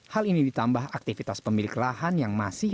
hal ini ditambah aktivitas pemilik lahan yang masih